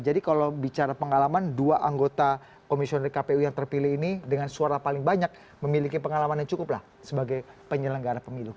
jadi kalau bicara pengalaman dua anggota komisioner kpu yang terpilih ini dengan suara paling banyak memiliki pengalaman yang cukup lah sebagai penyelenggara pemilu